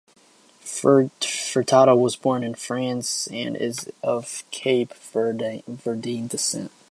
Furtado was born in France and is of Cape Verdean descent.